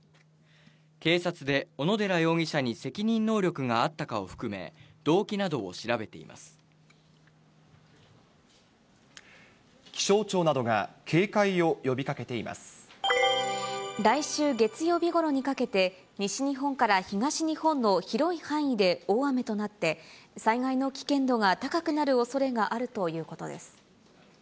警察で小野寺容疑者に責任能力があったかを含め、動機などを調べ気象庁などが、警戒を呼びか来週月曜日ごろにかけて、西日本から東日本の広い範囲で大雨となって、災害の危険度が高くなるおそれがあるということです。